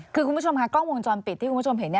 คือคุณผู้ชมค่ะกล้องวงจรปิดที่คุณผู้ชมเห็น